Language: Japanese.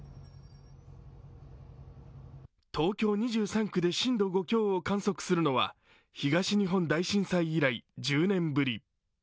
東京２３区で震度５強を観測するのは東日本大震災以来１０年ぶり。